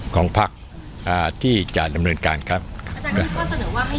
ของพักอ่าที่จะดำเนินการครับอาจารย์มีข้อเสนอว่าให้